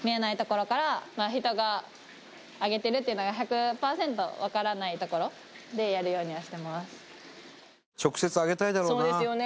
人があげてるっていうのが１００％分からないところでやるようにはしてますそうですよね